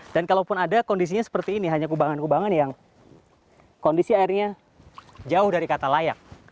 dan kalau pun ada kondisinya seperti ini hanya kubangan kubangan yang kondisi airnya jauh dari kata layak